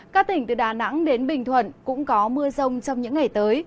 các tỉnh từ đà nẵng đến bình thuận cũng có mưa rông trong những ngày tới